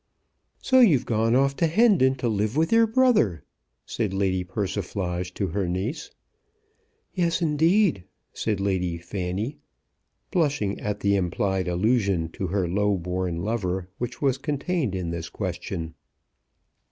"So you've gone off to Hendon to live with your brother?" said Lady Persiflage to her niece. "Yes; indeed," said Lady Fanny, blushing at the implied allusion to her low born lover which was contained in this question.